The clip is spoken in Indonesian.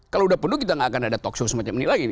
kalau udah penuh kita gak akan ada talkshow semacam ini lagi